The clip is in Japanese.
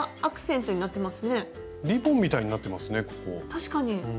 確かに。